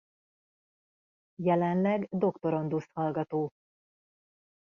Jelenleg doktorandusz hallgató.